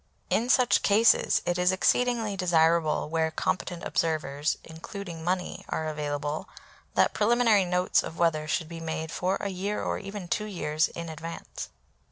In such cases it is exceedingly desirable, where competent observers (including money) are available, that preliminary notes of weather should be made for a year or even two years in advance.